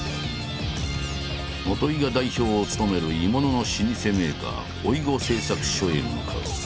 元井が代表を務める鋳物の老舗メーカー老子製作所へ向かう。